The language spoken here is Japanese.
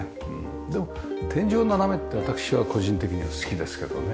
でも天井斜めって私は個人的には好きですけどね。